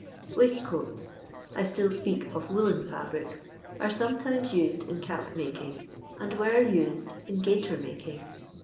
WaiiteoaU — I still speak of woollen fobrics — are sometimes used in cap making, and were used in gaiter making.